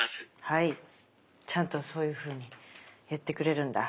はいちゃんとそういうふうに言ってくれるんだ。